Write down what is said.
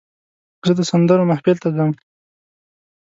زه د سندرو محفل ته ځم.